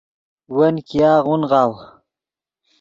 ون ګیاغ اونغاؤ